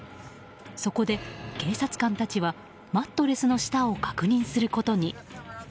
そこで、警察官たちはマットレスの下を確認することに。